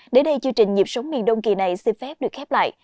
để đây chương trình dịp sống miền đông kỳ này xin phép được khép lại